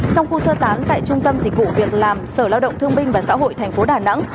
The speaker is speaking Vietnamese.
trong khu sơ tán tại trung tâm dịch vụ việc làm sở lao động thương binh và xã hội thành phố đà nẵng